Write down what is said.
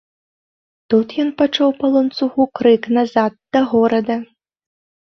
Тут ён пачуў па ланцугу крык назад да горада.